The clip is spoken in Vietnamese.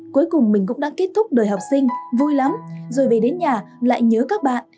cuối cùng mình cũng đã kết thúc đời học sinh vui lắm rồi về đến nhà lại nhớ các bạn